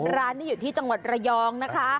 ร้านนี้อยู่ที่จังหวัดระยองนะคะ